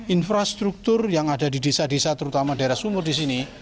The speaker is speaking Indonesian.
infrastruktur yang ada di desa desa terutama daerah sumur di sini